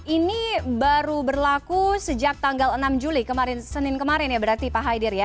ini baru berlaku sejak tanggal enam juli kemarin senin kemarin ya berarti pak haidir ya